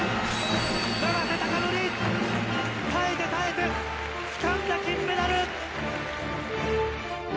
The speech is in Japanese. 永瀬貴規、耐えて耐えてつかんだ金メダル！